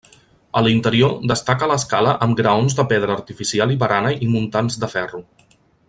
A l'interior destaca l'escala amb graons de pedra artificial i barana i muntants de ferro.